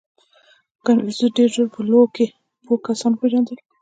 • کنفوسیوس ډېر ژر په لو کې پوه کس وپېژندل شو.